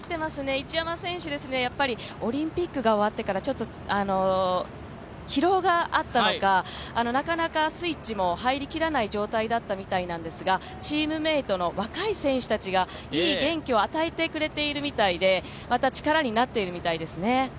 一山選手、オリンピックが終わってから疲労があったのか、なかなかスイッチも入りきらない状態だったみたいですが、チームメートの若い選手たちがいい元気を与えてくれているみたいでまた力になっているみたいですね。